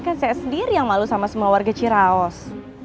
kan saya sendiri yang malu sama semua warga ciraos